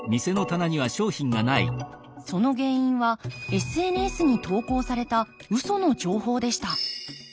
その原因はＳＮＳに投稿されたウソの情報でした。